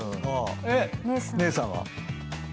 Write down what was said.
姉さんは？